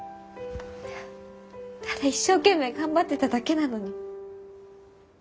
ただ一生懸命頑張ってただけなのに。